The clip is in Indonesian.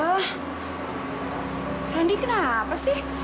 eh randi kenapa sih